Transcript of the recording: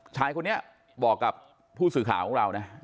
ชายคนนี้บอกกับผู้สื่อข่าวของเรานะ